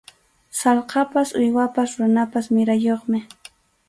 Sallqapas uywapas runapas wirayuqmi.